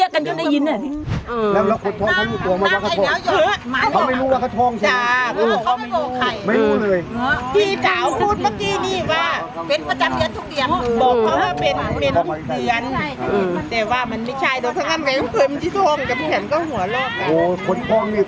ถอะลดตะนอกไปถอนไปอีกแล้วผมจะดาบนึง